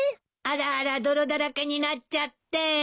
あらあら泥だらけになっちゃって。